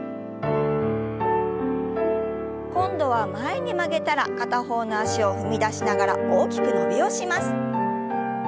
今度は前に曲げたら片方の脚を踏み出しながら大きく伸びをします。